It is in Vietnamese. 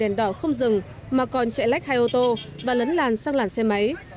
đèn đỏ không dừng mà còn chạy lách hai ô tô và lấn làn sang làn xe máy